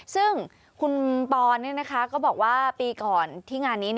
ซึ่งคุณปอนก็บอกว่าปีก่อนที่งานนี้